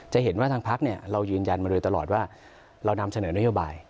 จะเห็นว่าทางพักเรายืนยันมาโดยตลอดว่าเรานำเสนอนโยบาย